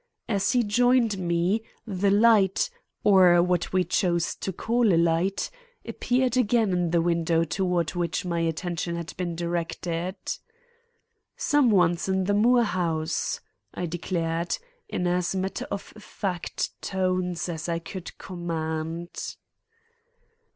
As he joined me, the light, or what we chose to call a light, appeared again in the window toward which my attention had been directed. "Some one's in the Moore house!" I declared, in as matter of fact tones as I could command.